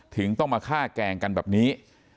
ถึงต้องมาฆ่าแกล้งกันแบบนี้